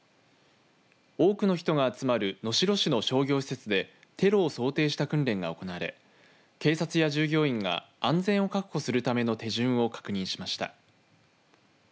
多くの人が集まる能代市の商業施設でテロを想定した訓練が行われ警察や従業員が安全を確保するための手順を確認しました。